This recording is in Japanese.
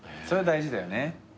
それは大事だよね。